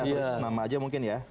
saya tulis nama aja mungkin ya